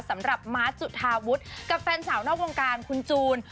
สำหรับมาร์ทจุธาวุฒิกับแฟนสาวนอกวงการคุณจูน